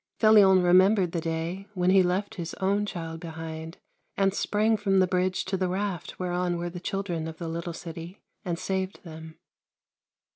Felion remem bered the day when he left his own child behind and sprang from the bridge to the raft whereon were the children of the little city, and saved them.